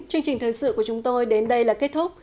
chương trình thời sự của chúng tôi đến đây là kết thúc